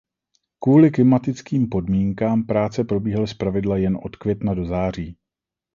Kvůli klimatickým podmínkám práce probíhaly zpravidla jen od května do září.